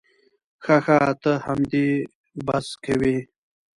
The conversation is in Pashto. ښه ښه ته همدې بس کې وې.